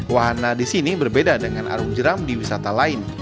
wahana di sini berbeda dengan arung jeram di wisata lain